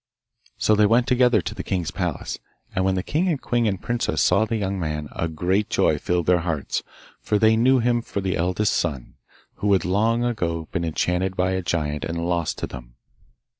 So they went together to the king's palace. And when the king and queen and princess saw the young man a great joy filled their hearts, for they knew him for the eldest son, who had long ago been enchanted by a giant and lost to them.